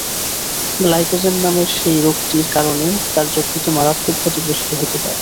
Glycogen নামের সেই রোগটির কারণে তার যকৃৎ মারাত্মক ক্ষতিগ্রস্ত হতে পারে।